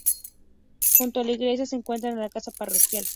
Junto a la iglesia se encuentra la casa parroquial.